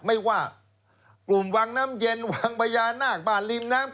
ไม่ว่ากลุ่มวังน้ำเย็นวังพญานาคบ้านริมน้ำ